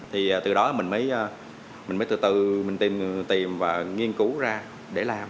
thì từ đó mình mới từ từ mình tìm và nghiên cứu ra để làm